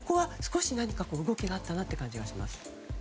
でも、ここは少し動きがあったなという感じがします。